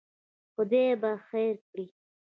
خدای به خیر کړي.